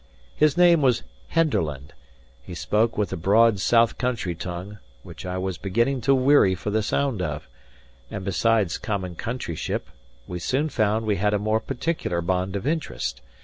His name was Henderland; he spoke with the broad south country tongue, which I was beginning to weary for the sound of; and besides common countryship, we soon found we had a more particular bond of interest.